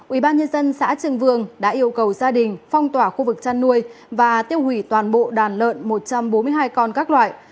ubnd tp việt trì đã yêu cầu gia đình phong tỏa khu vực trăn nuôi và tiêu hủy toàn bộ đàn lợn một trăm bốn mươi hai con các loại